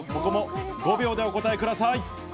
５秒でお答えください。